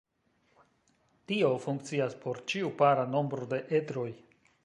Tio funkcias por ĉiu para nombro de edroj.